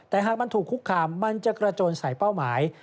แต่หากมันถูกคุกคามมันจะกระโจนใส่เป้าหมาย